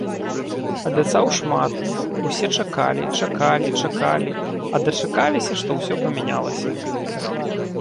Абяцаў шмат, усе чакалі, чакалі, чакалі, а дачакаліся, што ўсё памянялася.